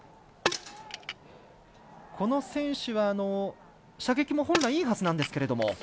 この選手は、射撃も本来いいはずなんですけれども。